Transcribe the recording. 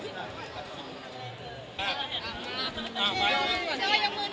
เจ้าให้ยังมือน่อย